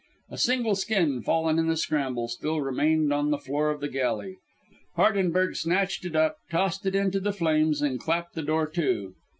A single skin, fallen in the scramble, still remained on the floor of the galley. Hardenberg snatched it up, tossed it into the flames and clapped the door to.